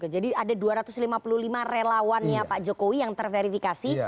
jadi ada dua ratus lima puluh lima relawan pak jokowi yang terverifikasi